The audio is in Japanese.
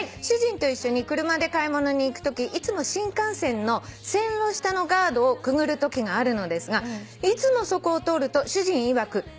「主人と一緒に車で買い物に行くときいつも新幹線の線路下のガードをくぐるときがあるのですがいつもそこを通ると主人いわく